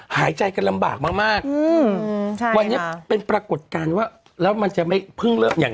หายใจกันลำบากมากวันเป็นปรากฏการณ์ว่าแล้วมันจะไม่เพิ่ง